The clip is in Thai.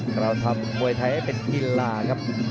กล่าวทำมวยไทยเป็นกีฬาครับ